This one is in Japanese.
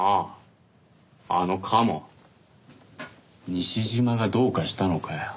西島がどうかしたのかよ？